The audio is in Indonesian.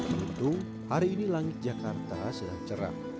menuntung hari ini langit jakarta sedang cerah